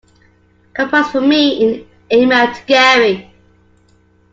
Compose for me an email to Gary.